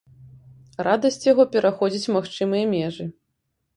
Радасць яго пераходзіць магчымыя межы.